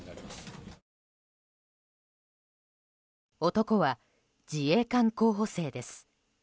男は自衛官候補生です。